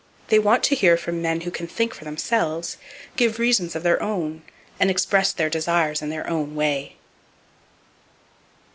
They want to hear from men who can think for themselves, give reasons of their own, and express their desires in their own way.